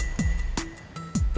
ya apa alesannya